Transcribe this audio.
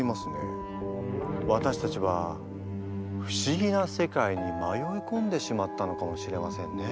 わたしたちは不思議な世界にまよいこんでしまったのかもしれませんね。